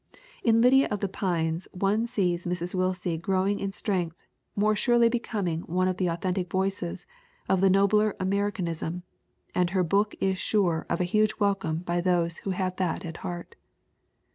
"In Lydia of the Pines one sees Mrs. Willsie grow ing in strength, more surely becoming one of the au thentic voices of the nobler Americanism, and her book is sure of a huge welcome by those who have that at heart."